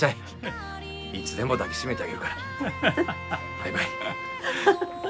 バイバイ。